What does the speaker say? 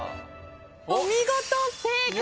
お見事！正解！